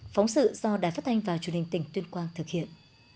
phóng sự do đài phát thanh và truyền hình tỉnh tuyên quang thực hiện